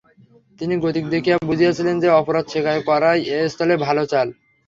তিনি গতিক দেখিয়া বুঝিয়াছিলেন যে, অপরাধ স্বীকার করাই এ স্থলে ভালো চাল।